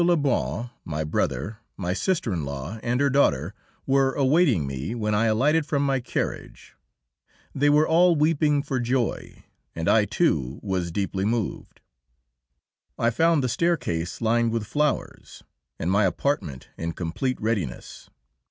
Lebrun, my brother, my sister in law, and her daughter were awaiting me when I alighted from my carriage; they were all weeping for joy, and I, too, was deeply moved. I found the staircase lined with flowers, and my apartment in complete readiness.